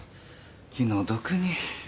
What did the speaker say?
気の毒に。